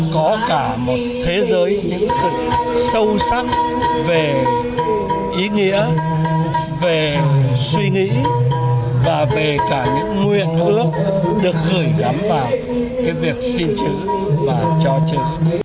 có cả một thế giới những sự sâu sắc về ý nghĩa về suy nghĩ và về cả những nguyện ước được gửi gắm vào cái việc xin chữ và cho chữ